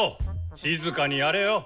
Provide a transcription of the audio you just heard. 静かにやれよ。